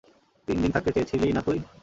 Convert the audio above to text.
তিন দিন থাকতে চেয়েছিলি না তুই?